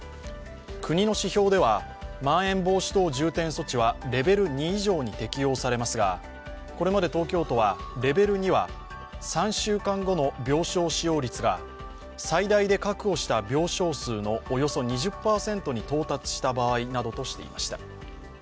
国の指標ではまん延防止等重点措置はレベル２以上に適用されますが、これまで東京都はレベル２は３週間後の病床使用率が最大で確保した病床数のおよそ２０％に到達した場合などとしていました。